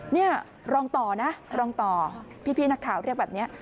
นี่รองต่อนะรองต่อพี่นักข่าวเรียกแบบนี้